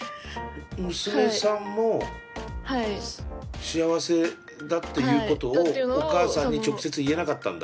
娘さんも幸せだっていうことをお母さんに直接言えなかったんだ。